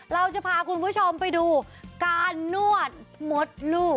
เราจะพาคุณผู้ชมไปดูการนวดมดลูก